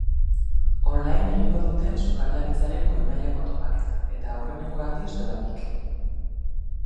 Online egingo dute sukaldaritzaren goi mailako topaketa, eta aurreneko aldiz dohainik.